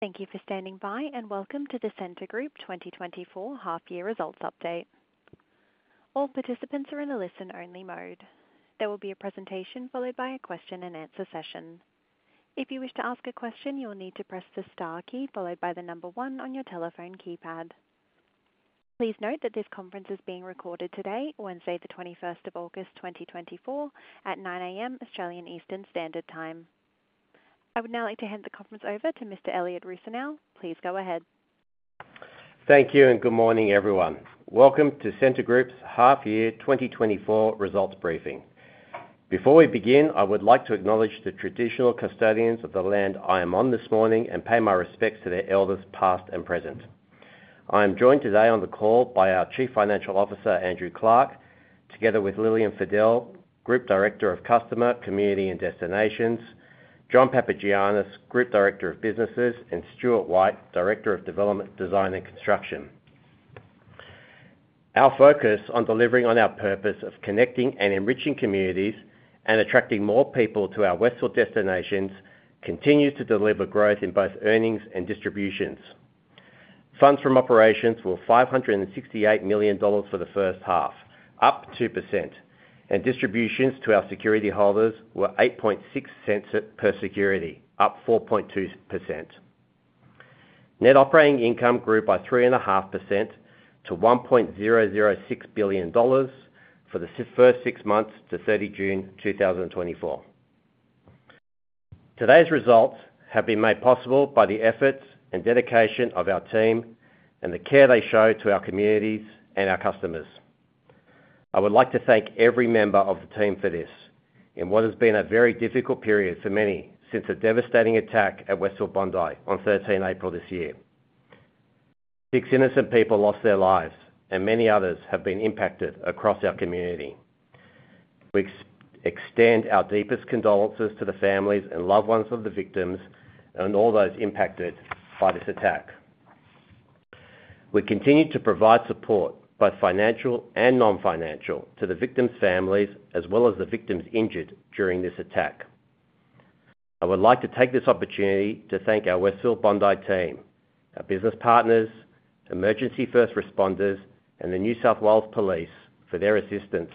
Thank you for standing by, and welcome to the Scentre Group 2024 half year results update. All participants are in a listen-only mode. There will be a presentation followed by a question and answer session. If you wish to ask a question, you will need to press the star key followed by the number one on your telephone keypad. Please note that this conference is being recorded today, Wednesday, the twenty-first of August, 2024, at 9:00 A.M., Australian Eastern Standard Time. I would now like to hand the conference over to Mr. Elliott Rusanow. Please go ahead. Thank you, and good morning, everyone. Welcome to Scentre Group's half year 2024 results briefing. Before we begin, I would like to acknowledge the traditional custodians of the land I am on this morning and pay my respects to their elders, past and present. I am joined today on the call by our Chief Financial Officer, Andrew Clarke, together with Lillian Fadel, Group Director of Customer, Community, and Destinations, John Papagiannis, Group Director of Businesses, and Stuart White, Director of Development, Design, and Construction. Our focus on delivering on our purpose of connecting and enriching communities and attracting more people to our Westfield destinations continues to deliver growth in both earnings and distributions. Funds From Operations were 568 million dollars for the first half, up 2%, and distributions to our security holders were 0.086 per security, up 4.2%. Net operating income grew by 3.5% to 1.006 billion dollars for the first six months to 30 June 2024. Today's results have been made possible by the efforts and dedication of our team and the care they show to our communities and our customers. I would like to thank every member of the team for this in what has been a very difficult period for many since the devastating attack at Westfield Bondi on 13th April this year. Six innocent people lost their lives, and many others have been impacted across our community. We extend our deepest condolences to the families and loved ones of the victims and all those impacted by this attack. We continue to provide support, both financial and non-financial, to the victims' families as well as the victims injured during this attack. I would like to take this opportunity to thank our Westfield Bondi team, our business partners, emergency first responders, and the New South Wales Police for their assistance.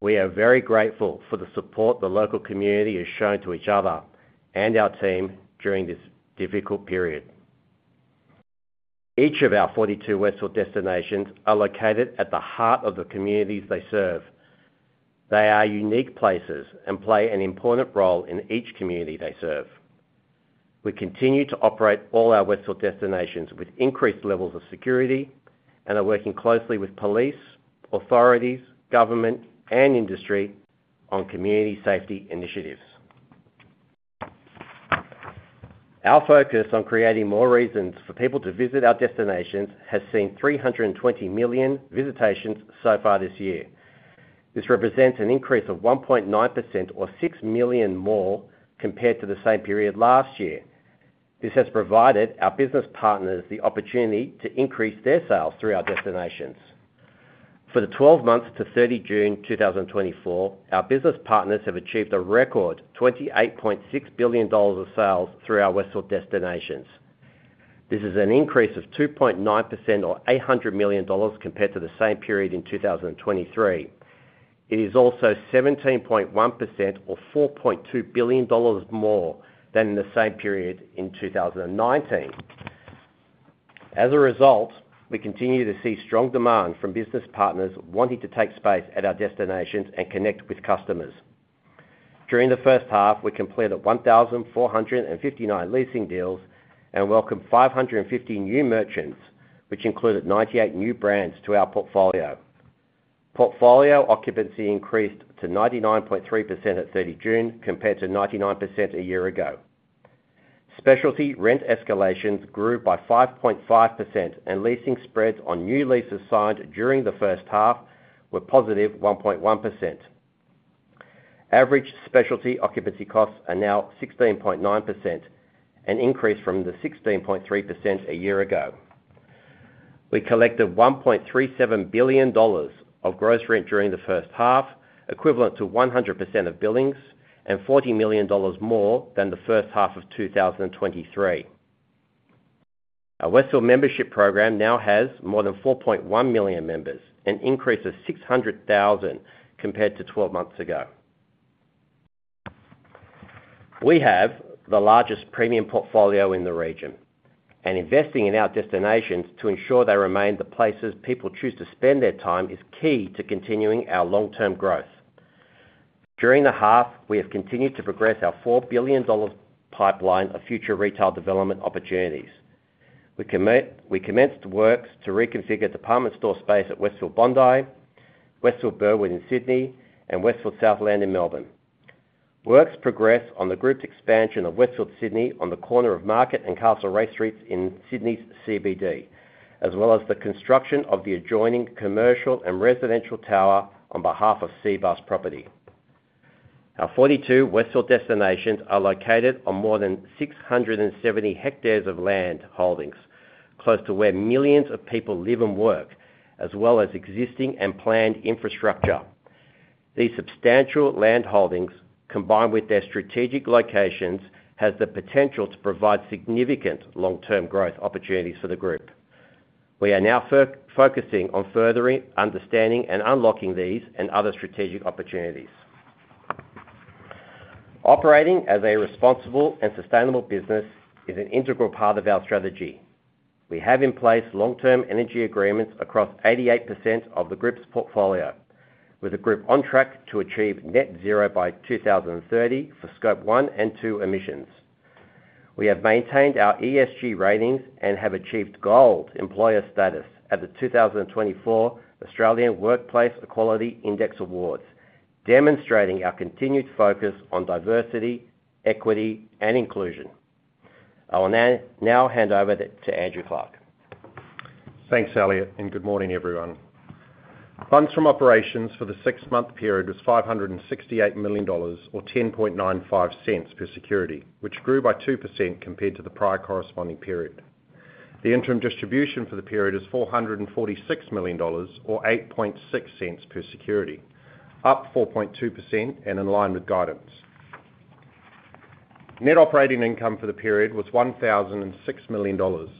We are very grateful for the support the local community has shown to each other and our team during this difficult period. Each of our 42 Westfield destinations are located at the heart of the communities they serve. They are unique places and play an important role in each community they serve. We continue to operate all our Westfield destinations with increased levels of security and are working closely with police, authorities, government, and industry on community safety initiatives. Our focus on creating more reasons for people to visit our destinations has seen 320 million visitations so far this year. This represents an increase of 1.9% or 6 million more compared to the same period last year. This has provided our business partners the opportunity to increase their sales through our destinations. For the 12 months to 30 June 2024, our business partners have achieved a record 28.6 billion dollars of sales through our Westfield destinations. This is an increase of 2.9% or 800 million dollars compared to the same period in 2023. It is also 17.1% or 4.2 billion dollars more than in the same period in 2019. As a result, we continue to see strong demand from business partners wanting to take space at our destinations and connect with customers. During the first half, we completed 1,459 leasing deals and welcomed 550 new merchants, which included 98 new brands to our portfolio. Portfolio occupancy increased to 99.3% at 30 June, compared to 99% a year ago. Specialty rent escalations grew by 5.5%, and leasing spreads on new leases signed during the first half were positive 1.1%. Average specialty occupancy costs are now 16.9%, an increase from the 16.3% a year ago. We collected 1.37 billion dollars of gross rent during the first half, equivalent to 100% of billings and 40 million dollars more than the first half of 2023. Our Westfield membership program now has more than 4.1 million members, an increase of 600,000 compared to twelve months ago. We have the largest premium portfolio in the region, and investing in our destinations to ensure they remain the places people choose to spend their time is key to continuing our long-term growth. During the half, we have continued to progress our 4 billion dollar pipeline of future retail development opportunities. We commenced works to reconfigure department store space at Westfield Bondi, Westfield Burwood in Sydney and Westfield Southland in Melbourne. Works progress on the group's expansion of Westfield Sydney, on the corner of Market and Castlereagh Streets in Sydney's CBD, as well as the construction of the adjoining commercial and residential tower on behalf of Cbus Property. Our 42 Westfield destinations are located on more than 670 hectares of land holdings, close to where millions of people live and work, as well as existing and planned infrastructure. These substantial land holdings, combined with their strategic locations, has the potential to provide significant long-term growth opportunities for the group. We are now focusing on furthering, understanding, and unlocking these and other strategic opportunities. Operating as a responsible and sustainable business is an integral part of our strategy. We have in place long-term energy agreements across 88% of the group's portfolio, with the group on track to achieve Net Zero by 2030 for Scope 1 and 2 emissions. We have maintained our ESG ratings and have achieved gold employer status at the 2024 Australian Workplace Equality Index Awards, demonstrating our continued focus on diversity, equity, and inclusion. I will now hand over to Andrew Clarke. Thanks, Elliott, and good morning, everyone. Funds from operations for the six-month period was 568 million dollars or 0.1095 per security, which grew by 2% compared to the prior corresponding period. The interim distribution for the period is 446 million dollars, or 0.086 per security, up 4.2% and in line with guidance. Net operating income for the period was 1,006 million dollars.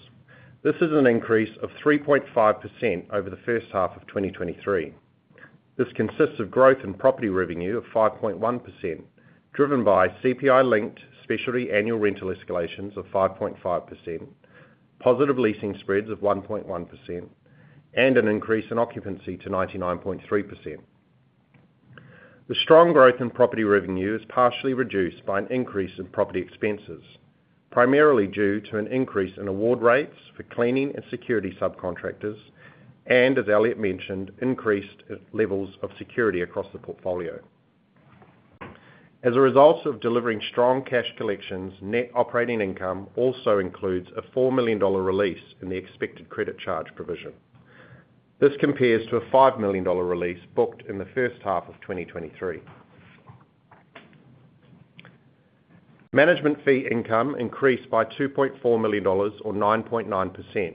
This is an increase of 3.5% over the first half of 2023. This consists of growth in property revenue of 5.1%, driven by CPI-linked specialty annual rental escalations of 5.5%, positive leasing spreads of 1.1%, and an increase in occupancy to 99.3%. The strong growth in property revenue is partially reduced by an increase in property expenses, primarily due to an increase in award rates for cleaning and security subcontractors, and as Elliott mentioned, increased levels of security across the portfolio. As a result of delivering strong cash collections, net operating income also includes an 4 million dollar release in the expected credit charge provision. This compares to an 5 million dollar release booked in the first half of 2023. Management fee income increased by 2.4 million dollars, or 9.9%,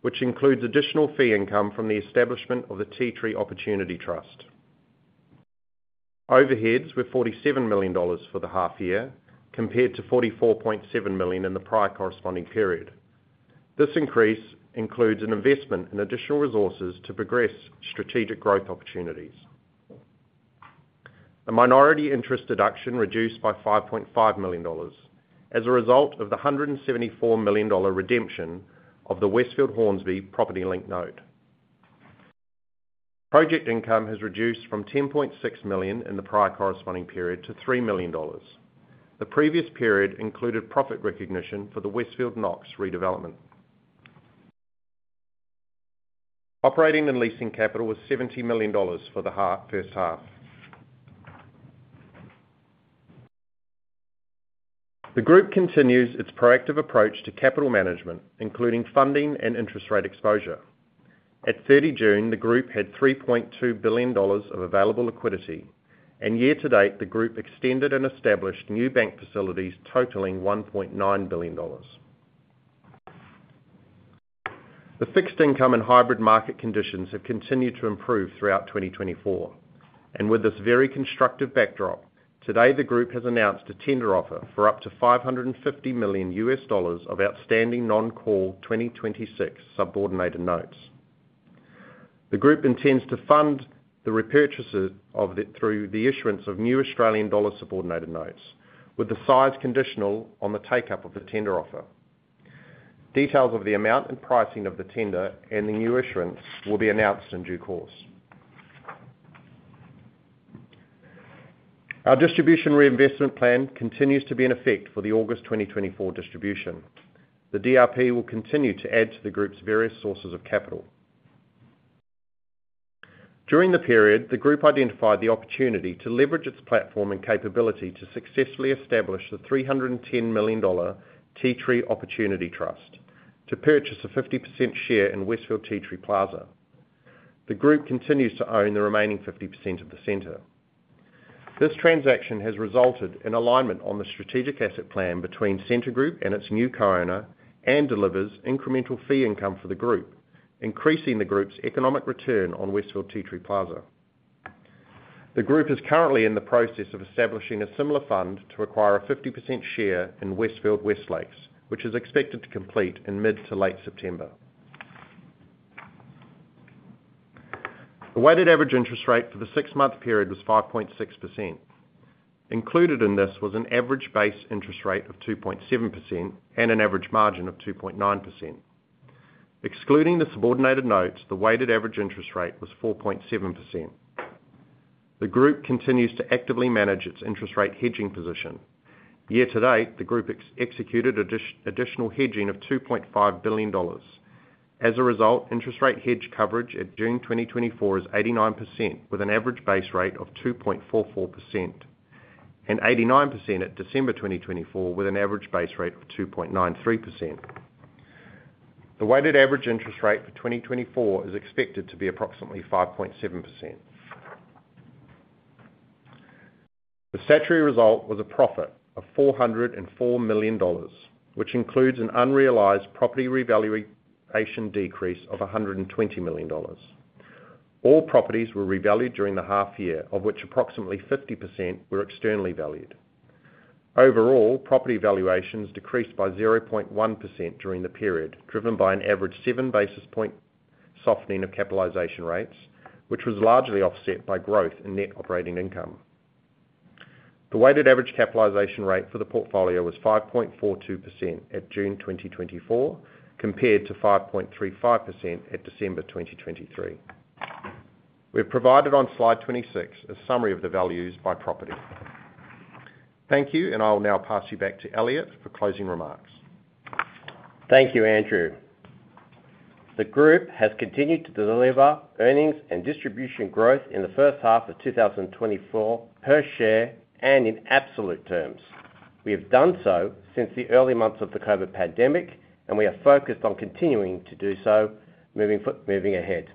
which includes additional fee income from the establishment of the Tea Tree Opportunity Trust. Overheads were 47 million dollars for the half year, compared to 44.7 million in the prior corresponding period. This increase includes an investment in additional resources to progress strategic growth opportunities. The minority interest deduction reduced by 5.5 million dollars as a result of the 174 million dollar redemption of the Westfield Hornsby Property Linked Note. Project income has reduced from 10.6 million in the prior corresponding period to 3 million dollars. The previous period included profit recognition for the Westfield Knox redevelopment. Operating and leasing capital was 70 million dollars for the first half. The group continues its proactive approach to capital management, including funding and interest rate exposure. At 30 June, the group had 3.2 billion dollars of available liquidity, and year to date, the group extended and established new bank facilities totaling 1.9 billion dollars. The fixed income and hybrid market conditions have continued to improve throughout 2024, and with this very constructive backdrop, today, the group has announced a tender offer for up to $550 million of outstanding non-call 2026 subordinated notes. The group intends to fund the repurchases through the issuance of new AUD subordinated notes, with the size conditional on the take-up of the tender offer. Details of the amount and pricing of the tender and the new issuance will be announced in due course. Our Distribution Reinvestment Plan continues to be in effect for the August 2024 distribution. The DRP will continue to add to the group's various sources of capital. During the period, the group identified the opportunity to leverage its platform and capability to successfully establish the 310 million dollar Tea Tree Opportunity Trust to purchase a 50% share in Westfield Tea Tree Plaza. The group continues to own the remaining 50% of the center. This transaction has resulted in alignment on the strategic asset plan between Scentre Group and its new co-owner, and delivers incremental fee income for the group, increasing the group's economic return on Westfield Tea Tree Plaza. The group is currently in the process of establishing a similar fund to acquire a 50% share in Westfield West Lakes, which is expected to complete in mid to late September. The weighted average interest rate for the six-month period was 5.6%. Included in this was an average base interest rate of 2.7% and an average margin of 2.9%. Excluding the subordinated notes, the weighted average interest rate was 4.7%. The group continues to actively manage its interest rate hedging position. Year to date, the group executed additional hedging of 2.5 billion dollars. As a result, interest rate hedge coverage at June twenty twenty-four is 89%, with an average base rate of 2.44%, and 89% at December twenty twenty-four, with an average base rate of 2.93%. The weighted average interest rate for twenty twenty-four is expected to be approximately 5.7%. The statutory result was a profit of 404 million dollars, which includes an unrealized property revaluation decrease of 120 million dollars. All properties were revalued during the half year, of which approximately 50% were externally valued. Overall, property valuations decreased by 0.1% during the period, driven by an average seven basis points softening of capitalization rates, which was largely offset by growth in net operating income. The weighted average capitalization rate for the portfolio was 5.42% at June 2024, compared to 5.35% at December 2023. We've provided on slide 26, a summary of the values by property. Thank you, and I'll now pass you back to Elliott for closing remarks. Thank you, Andrew. The group has continued to deliver earnings and distribution growth in the first half of 2024, per share and in absolute terms. We have done so since the early months of the COVID pandemic, and we are focused on continuing to do so, moving ahead.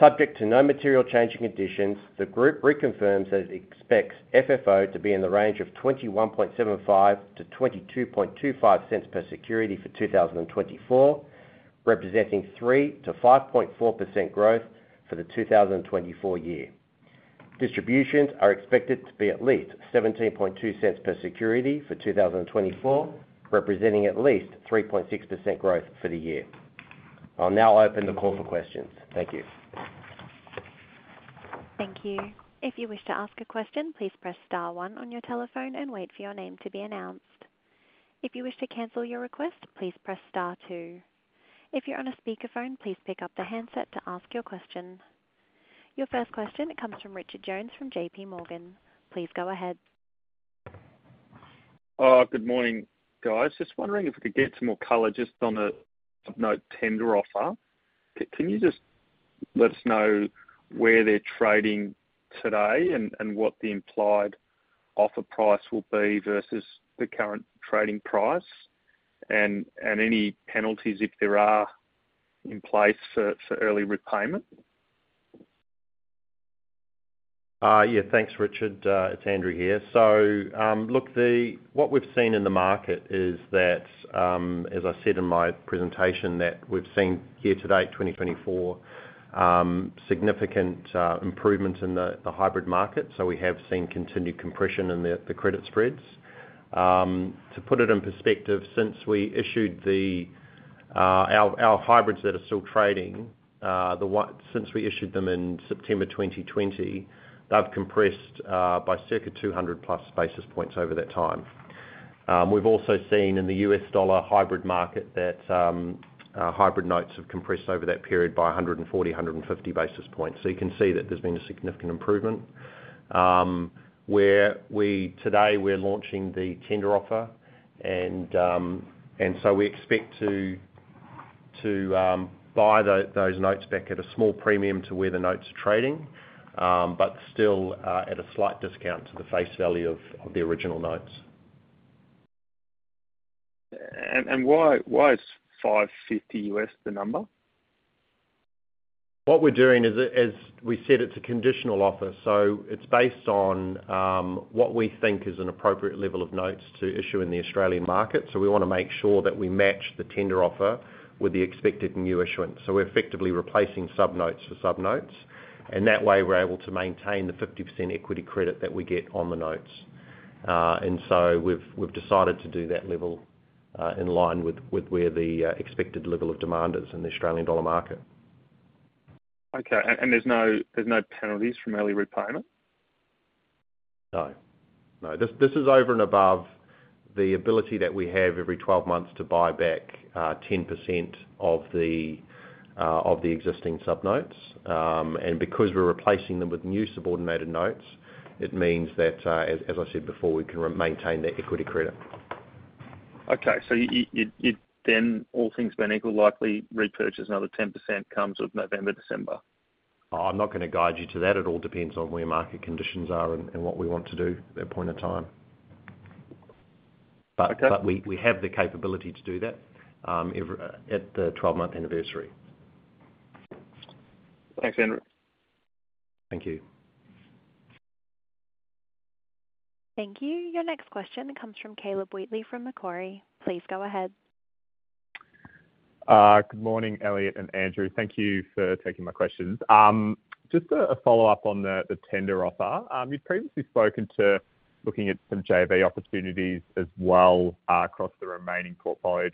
Subject to no material changing conditions, the group reconfirms that it expects FFO to be in the range of 0.2175-0.2225 per security for 2024, representing 3%-5.4% growth for the 2024 year. Distributions are expected to be at least 0.172 per security for 2024, representing at least 3.6% growth for the year. I'll now open the call for questions. Thank you. Thank you. If you wish to ask a question, please press star one on your telephone and wait for your name to be announced. If you wish to cancel your request, please press star two. If you're on a speakerphone, please pick up the handset to ask your question. Your first question comes from Richard Jones from J.P. Morgan. Please go ahead. Good morning, guys. Just wondering if we could get some more color just on the sub note tender offer. Can you just let us know where they're trading today and what the implied offer price will be versus the current trading price, and any penalties, if there are, in place for early repayment? Yeah, thanks, Richard. It's Andrew here. So, look, what we've seen in the market is that, as I said in my presentation, that we've seen year to date 2024, significant improvement in the hybrid market, so we have seen continued compression in the credit spreads. To put it in perspective, since we issued our hybrids that are still trading, since we issued them in September 2020, they've compressed by circa 200+ basis points over that time. We've also seen in the U.S. dollar hybrid market that our hybrid notes have compressed over that period by 140-150 basis points, so you can see that there's been a significant improvement. Today, we're launching the tender offer, and so we expect to buy those notes back at a small premium to where the notes are trading, but still at a slight discount to the face value of the original notes. Why is $550 the number? What we're doing is, as we said, it's a conditional offer. So it's based on what we think is an appropriate level of notes to issue in the Australian market. So we wanna make sure that we match the tender offer with the expected new issuance. So we're effectively replacing sub notes for sub notes, and that way, we're able to maintain the 50% equity credit that we get on the notes. And so we've decided to do that level in line with where the expected level of demand is in the Australian dollar market. Okay, and there's no penalties from early repayment? No. No, this, this is over and above the ability that we have every twelve months to buy back 10% of the existing sub notes, and because we're replacing them with new subordinated notes, it means that, as I said before, we can maintain the equity credit. Okay, so you then, all things being equal, likely repurchase another 10% come November, December? I'm not gonna guide you to that. It all depends on where market conditions are and what we want to do at that point in time. Okay. But we have the capability to do that at the 12-month anniversary. Thanks, Andrew. Thank you. Thank you. Your next question comes from Caleb Wheatley, from Macquarie. Please go ahead. Good morning, Elliott and Andrew. Thank you for taking my questions. Just a follow-up on the tender offer. You've previously spoken to looking at some JV opportunities as well, across the remaining portfolio.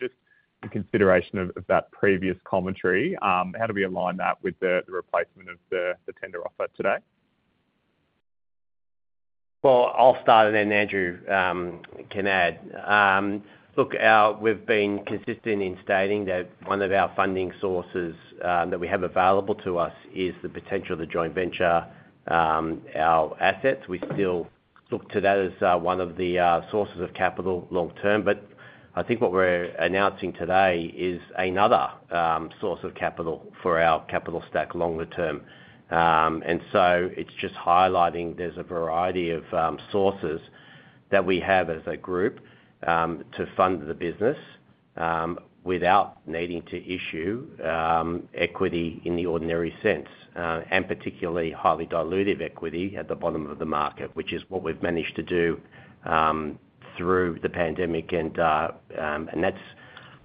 Just in consideration of that previous commentary, how do we align that with the replacement of the tender offer today? Well, I'll start and then Andrew can add. Look, we've been consistent in stating that one of our funding sources that we have available to us is the potential of the joint venture our assets. We still look to that as one of the sources of capital long term, but I think what we're announcing today is another source of capital for our capital stack longer term. And so it's just highlighting there's a variety of sources that we have as a group to fund the business, without needing to issue equity in the ordinary sense, and particularly highly dilutive equity at the bottom of the market, which is what we've managed to do through the pandemic. And that's,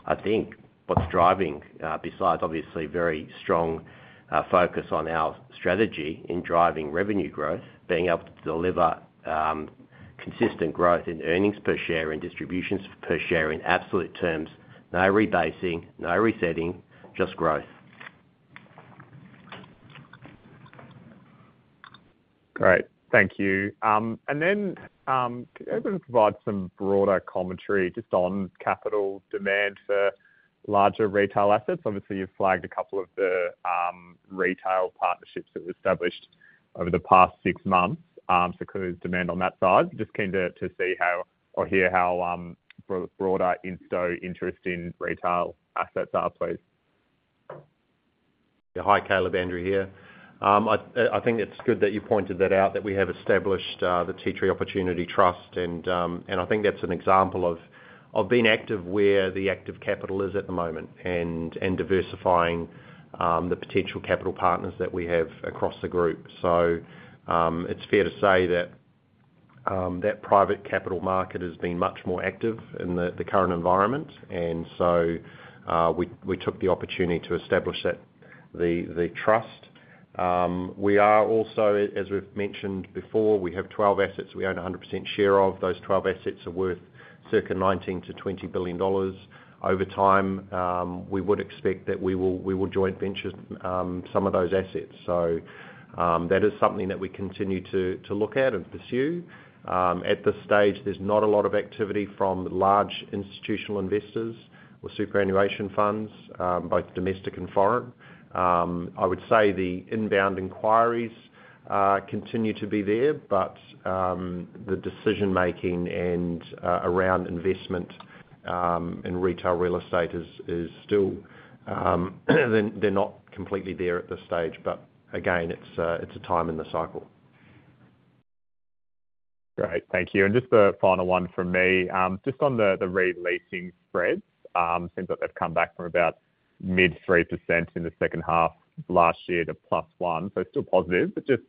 I think, what's driving, besides obviously very strong focus on our strategy in driving revenue growth, being able to deliver consistent growth in earnings per share and distributions per share in absolute terms. No rebasing, no resetting, just growth. Great. Thank you, and then, can you able to provide some broader commentary just on capital demand for larger retail assets? Obviously, you've flagged a couple of the retail partnerships that were established over the past six months, so clear there's demand on that side. Just keen to see how or hear how broader insto interest in retail assets are, please? Yeah, hi, Caleb. Andrew here. I think it's good that you pointed that out, that we have established the Tea Tree Opportunity Trust, and I think that's an example of being active where the active capital is at the moment and diversifying the potential capital partners that we have across the group. So, it's fair to say that that private capital market has been much more active in the current environment, and so we took the opportunity to establish that the trust. We are also, as we've mentioned before, we have 12 assets we own 100% share of. Those 12 assets are worth circa 19 billion-20 billion dollars. Over time, we would expect that we will joint venture some of those assets. That is something that we continue to look at and pursue. At this stage, there's not a lot of activity from large institutional investors or superannuation funds, both domestic and foreign. I would say the inbound inquiries continue to be there, but the decision-making and around investment in retail real estate is still. They're not completely there at this stage. But again, it's a time in the cycle. Great. Thank you. And just a final one from me. Just on the re-leasing spreads, seems like they've come back from about mid-3% in the second half of last year to +1%, so still positive. But just,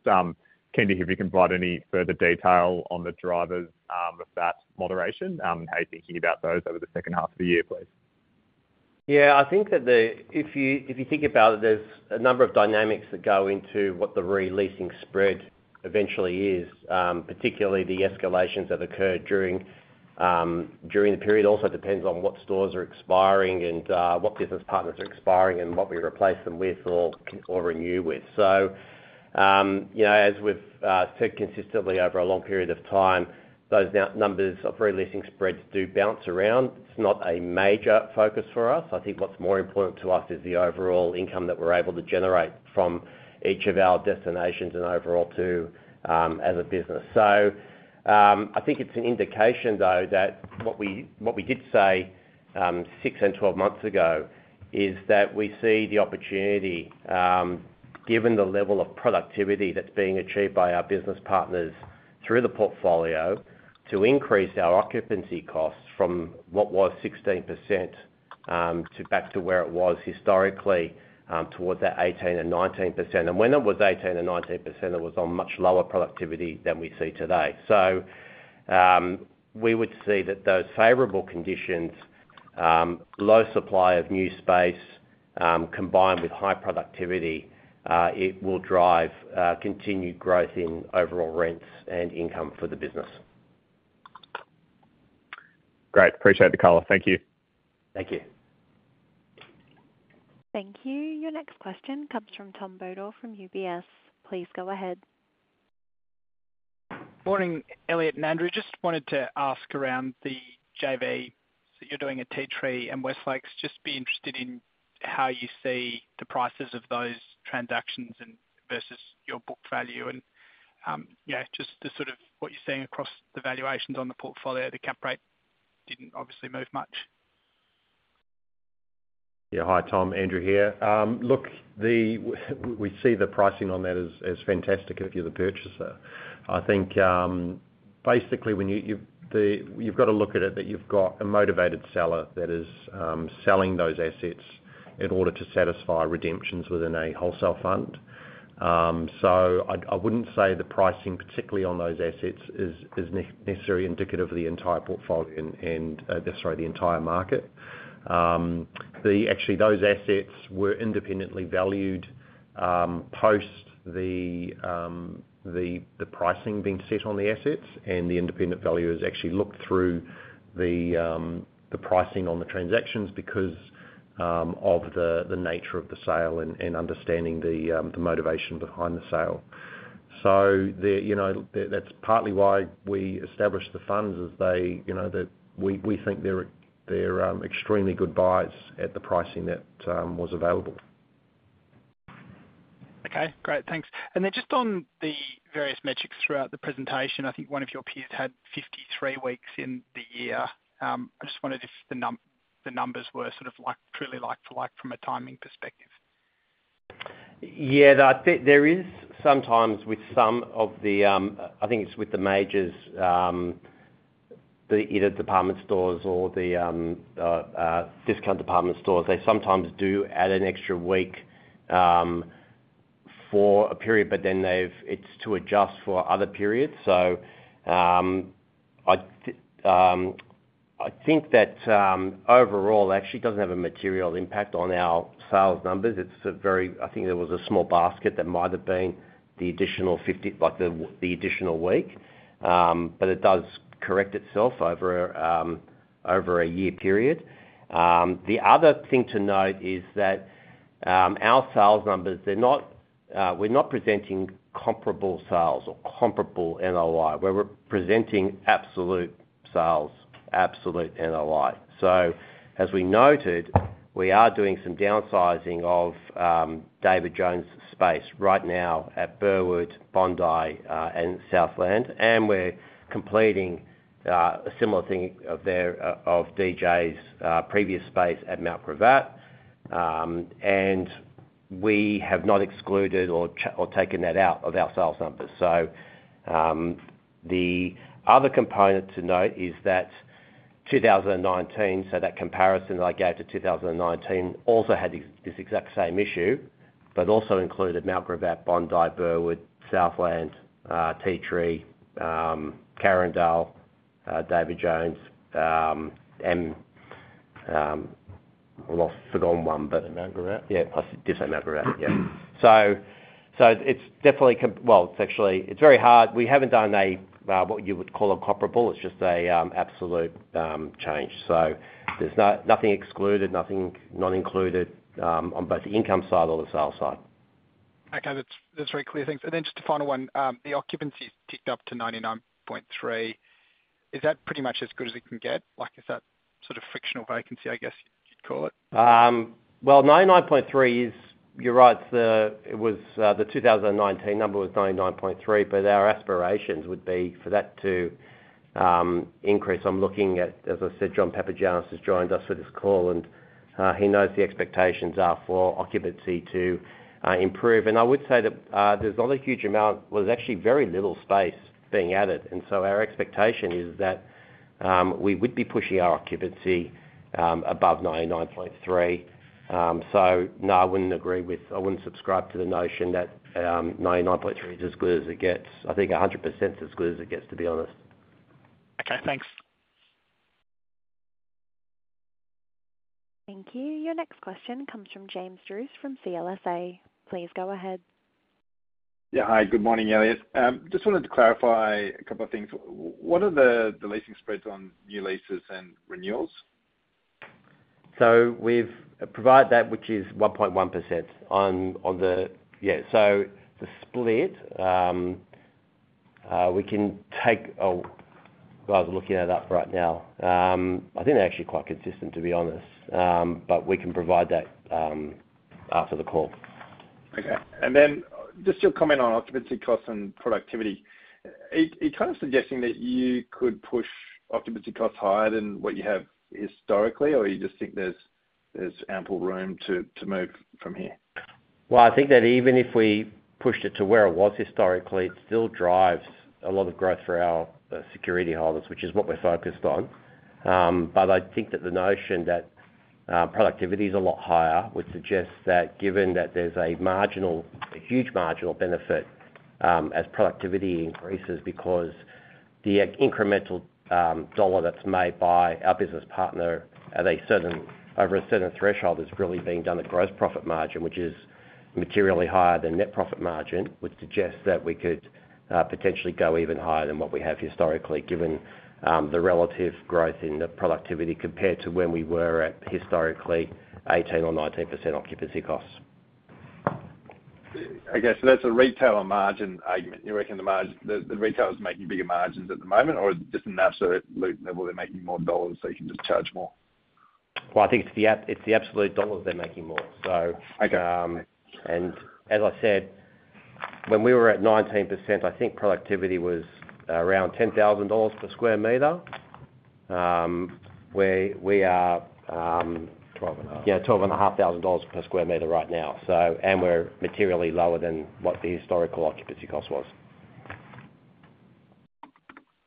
keen to hear if you can provide any further detail on the drivers of that moderation, and how you're thinking about those over the second half of the year, please. Yeah, I think that if you think about it, there's a number of dynamics that go into what the re-leasing spread eventually is, particularly the escalations that occurred during the period. Also depends on what stores are expiring and what business partners are expiring and what we replace them with or renew with. So you know, as we've said consistently over a long period of time, those numbers of re-leasing spreads do bounce around. It's not a major focus for us. I think what's more important to us is the overall income that we're able to generate from each of our destinations and overall too as a business. So, I think it's an indication, though, that what we, what we did say, six and 12 months ago is that we see the opportunity, given the level of productivity that's being achieved by our business partners through the portfolio, to increase our occupancy costs from what was 16%, to back to where it was historically, towards that 18% and 19%. And when it was 18% and 19%, it was on much lower productivity than we see today. So, we would see that those favorable conditions, low supply of new space, combined with high productivity, it will drive, continued growth in overall rents and income for the business. Great. Appreciate the call. Thank you. Thank you. Thank you. Your next question comes from Tom Beadle from UBS. Please go ahead. Morning, Elliott and Andrew. Just wanted to ask around the JV that you're doing at Tea Tree and Westfield West Lakes. Just be interested in how you see the prices of those transactions and versus your book value. And, yeah, just the sort of what you're seeing across the valuations on the portfolio. The cap rate didn't obviously move much. Yeah. Hi, Tom, Andrew here. Look, we see the pricing on that as fantastic if you're the purchaser. I think, basically, when you've got to look at it, that you've got a motivated seller that is selling those assets in order to satisfy redemptions within a wholesale fund. So, I wouldn't say the pricing, particularly on those assets, is necessarily indicative of the entire portfolio and, sorry, the entire market. Actually, those assets were independently valued post the pricing being set on the assets, and the independent valuers actually looked through the pricing on the transactions because of the nature of the sale and understanding the motivation behind the sale. So the, you know, that's partly why we established the funds as they, you know, that we think they're extremely good buys at the pricing that was available. Okay, great, thanks. And then just on the various metrics throughout the presentation, I think one of your peers had 53 weeks in the year. I just wondered if the numbers were sort of like, truly like for like from a timing perspective?... Yeah, the, I think there is sometimes with some of the, I think it's with the majors, the either department stores or the, discount department stores, they sometimes do add an extra week, for a period, but then they've. It's to adjust for other periods. So, I think that, overall, actually doesn't have a material impact on our sales numbers. It's a. I think there was a small basket that might have been the additional 50, like, the additional week. But it does correct itself over a year period. The other thing to note is that, our sales numbers, they're not, we're not presenting comparable sales or comparable NOI, where we're presenting absolute sales, absolute NOI. So as we noted, we are doing some downsizing of David Jones' space right now at Burwood, Bondi, and Southland, and we're completing a similar thing of there, of DJ's previous space at Mount Gravatt. And we have not excluded or taken that out of our sales numbers. So the other component to note is that 2019, so that comparison that I gave to 2019, also had this exact same issue, but also included Mount Gravatt, Bondi, Burwood, Southland, Tea Tree, Carindale, David Jones, and I've lost, forgotten one, but- Mount Gravatt? Yeah, I did say Mount Gravatt. Yeah. So, it's definitely. Well, it's actually, it's very hard. We haven't done a what you would call a comparable. It's just a absolute change. So there's nothing excluded, nothing not included, on both the income side or the sales side. Okay, that's, that's very clear. Thanks. And then just a final one. The occupancy's ticked up to 99.3%. Is that pretty much as good as it can get? Like, is that sort of frictional vacancy, I guess you'd call it? Well, 99.3% is, you're right, it was the 2019 number was 99.3%, but our aspirations would be for that to increase. I'm looking at, as I said, John Papagiannis has joined us for this call, and he knows the expectations are for occupancy to improve. And I would say that, there's not a huge amount, well, there's actually very little space being added, and so our expectation is that we would be pushing our occupancy above 99.3%. So no, I wouldn't agree with. I wouldn't subscribe to the notion that 99.3% is as good as it gets. I think 100% is as good as it gets, to be honest. Okay, thanks. Thank you. Your next question comes from James Druce from CLSA. Please go ahead. Yeah, hi, good morning, Elliott. Just wanted to clarify a couple of things. What are the leasing spreads on new leases and renewals? So we've provided that, which is 1.1% on the, yeah. So the split. Well, I was looking it up right now. I think they're actually quite consistent, to be honest, but we can provide that after the call. Okay. And then just your comment on occupancy costs and productivity. Are you kind of suggesting that you could push occupancy costs higher than what you have historically, or you just think there's ample room to move from here? I think that even if we pushed it to where it was historically, it still drives a lot of growth for our security holders, which is what we're focused on. But I think that the notion that productivity is a lot higher would suggest that given that there's a huge marginal benefit as productivity increases, because the incremental dollar that's made by our business partner over a certain threshold is really being done at gross profit margin, which is materially higher than net profit margin, which suggests that we could potentially go even higher than what we have historically, given the relative growth in the productivity compared to when we were at historically 18% or 19% occupancy costs. Okay, so that's a retailer margin argument. You reckon the margin, the retailer is making bigger margins at the moment, or just an absolute level, they're making more dollars, so you can just charge more? I think it's the absolute dollars they're making more. So- Okay. and as I said, when we were at 19%, I think productivity was around 10,000 dollars per sq m. We are 12.5. Yeah, AUD 12,500 per sq m right now. So, and we're materially lower than what the historical occupancy cost was.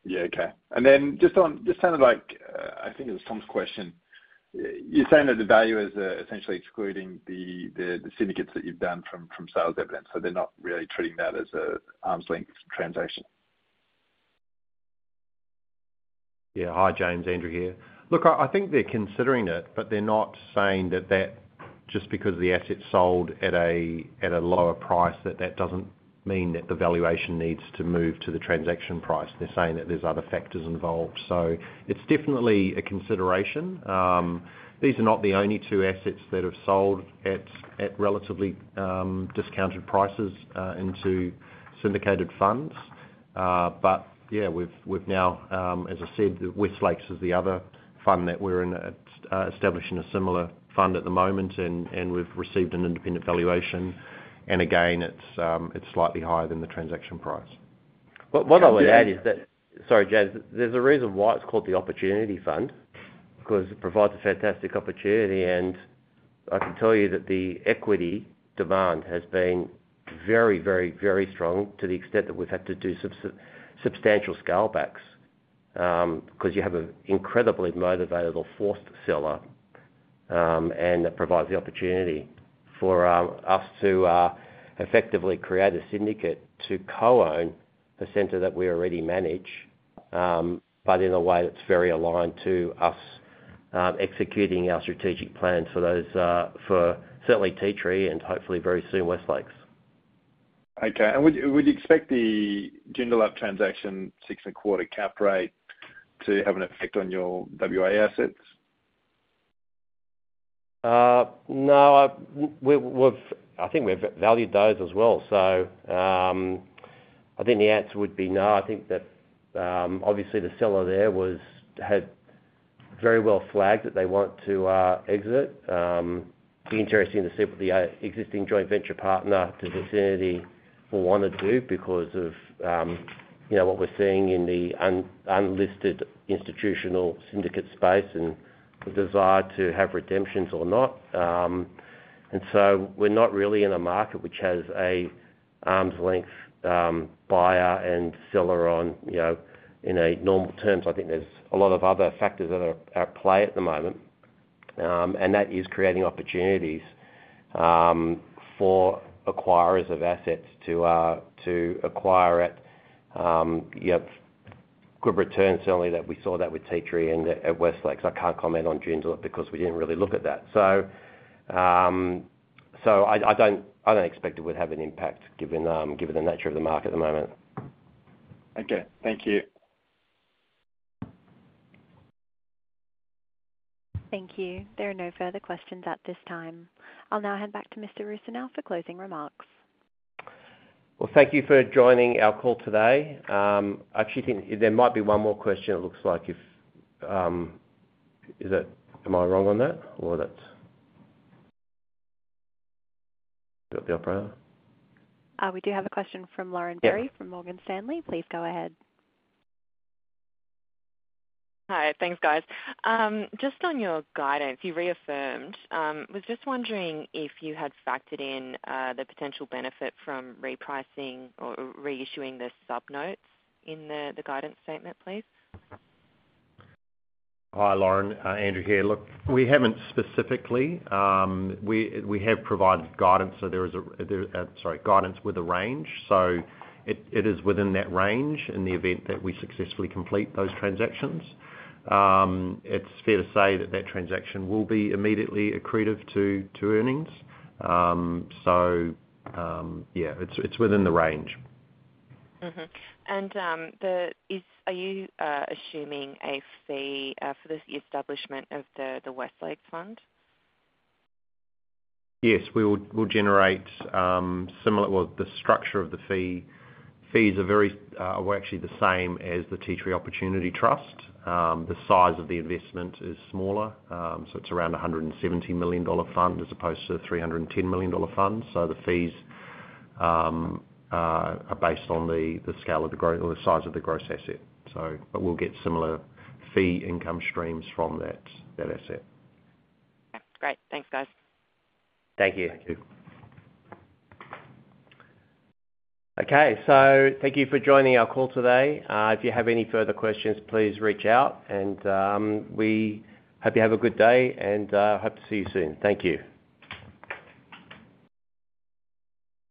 Yeah, okay. And then just on, just sounded like, I think it was Tom's question. You're saying that the value is essentially excluding the syndicates that you've done from sales evidence, so they're not really treating that as an arm's length transaction? Yeah. Hi, James, Andrew here. Look, I think they're considering it, but they're not saying that just because the asset sold at a lower price, that that doesn't mean that the valuation needs to move to the transaction price. They're saying that there's other factors involved. So it's definitely a consideration. These are not the only two assets that have sold at relatively discounted prices into syndicated funds. But yeah, we've now, as I said, West Lakes is the other fund that we're in, establishing a similar fund at the moment, and we've received an independent valuation. And again, it's slightly higher than the transaction price.... What I would add is that, sorry, James, there's a reason why it's called the Opportunity Fund, because it provides a fantastic opportunity. And I can tell you that the equity demand has been very, very, very strong, to the extent that we've had to do substantial scalebacks. Because you have an incredibly motivated or forced seller, and that provides the opportunity for us to effectively create a syndicate to co-own the center that we already manage, but in a way that's very aligned to us executing our strategic plan for those, for certainly Tea Tree and hopefully very soon, West Lakes. Okay. And would you expect the Joondalup transaction 6.25% cap rate to have an effect on your WA assets? No, we've... I think we've valued those as well. So, I think the answer would be no. I think that, obviously the seller there was, had very well flagged that they want to, exit. Be interesting to see what the, existing joint venture partner to Vicinity will want to do because of, you know, what we're seeing in the unlisted institutional syndicate space and the desire to have redemptions or not. And so we're not really in a market which has an arm's length, buyer and seller on, you know, in normal terms. I think there's a lot of other factors that are at play at the moment. And that is creating opportunities, for acquirers of assets to, to acquire at, yeah, good returns. Certainly, that we saw that with Tea Tree and at West Lakes. I can't comment on Joondalup because we didn't really look at that. So, I don't expect it would have an impact, given the nature of the market at the moment. Okay. Thank you. Thank you. There are no further questions at this time. I'll now hand back to Mr. Rusanow for closing remarks. Thank you for joining our call today. I actually think there might be one more question it looks like if... Is it? Am I wrong on that, or that's... Got the operator? We do have a question from Lauren Berry- Yeah. from Morgan Stanley. Please go ahead. Hi. Thanks, guys. Just on your guidance, you reaffirmed. Was just wondering if you had factored in the potential benefit from repricing or reissuing the sub notes in the guidance statement, please? Hi, Lauren. Andrew here. Look, we haven't specifically. We have provided guidance, so there is guidance with a range. So it is within that range in the event that we successfully complete those transactions. It's fair to say that transaction will be immediately accretive to earnings. So, it's within the range. Mm-hmm. And, are you assuming a fee for the establishment of the West Lakes Fund? Yes, we will, we'll generate similar. Well, the structure of the fees are very, well, actually the same as the Tea Tree Opportunity Trust. The size of the investment is smaller, so it's around 170 million dollar fund as opposed to 310 million dollar fund. So the fees are based on the, the scale of the size of the gross asset. So, but we'll get similar fee income streams from that asset. Okay, great. Thanks, guys. Thank you. Thank you. Okay, so thank you for joining our call today. If you have any further questions, please reach out, and we hope you have a good day and hope to see you soon. Thank you.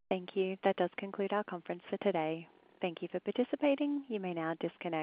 Thank you. That does conclude our conference for today. Thank you for participating. You may now disconnect.